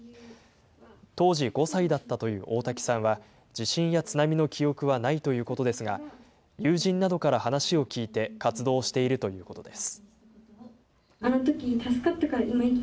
当時５歳だったという大瀧さんは、地震や津波の記憶はないということですが、友人などから話を聞いて活動しているということです。